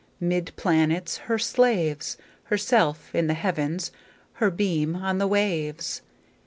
'Mid planets her slaves, Herself in the Heavens, Her beam on the waves.